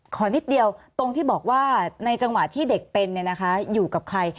ขอนิดเดียวตรงที่บอกว่าในจังหวะที่เด็กเป็นอยู่กับใคร